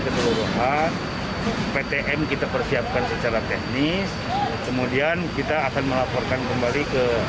keseluruhan ptm kita persiapkan secara teknis kemudian kita akan melaporkan kembali ke